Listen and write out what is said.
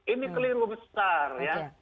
ini keliru besar